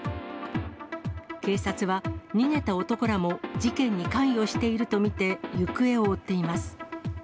警察は、逃げた男らも事件に関与していると見て行方を追っています。